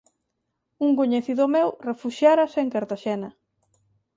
Un coñecido meu refuxiárase en Cartaxena.